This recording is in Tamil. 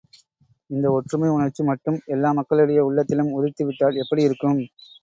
இந்த ஒற்றுமை உணர்ச்சி மட்டும் எல்லா மக்களுடைய உள்ளத்திலும் உதித்துவிட்டால் எப்படி இருக்கும்?